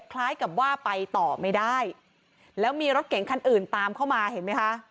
คล้ายกับว่าไปต่อไม่ได้แล้วมีรถเก๋งคันอื่นตามเข้ามาเห็นไหมคะ